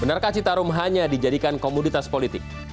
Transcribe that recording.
benarkah citarum hanya dijadikan komoditas politik